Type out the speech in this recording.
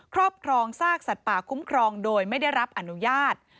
ครอบครองซากสัตว์ป่าคุ้มครองโดยไม่ได้รับอนุญาต